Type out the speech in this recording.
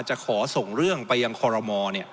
จะขอส่งเรื่องไปยังคอรมอ